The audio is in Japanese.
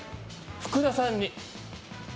福田さん？